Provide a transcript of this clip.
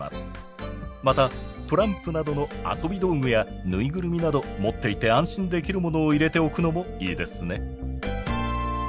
またトランプなどの遊び道具や縫いぐるみなど持っていて安心できるものを入れておくのもいいですね。